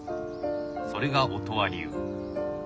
それが音羽流。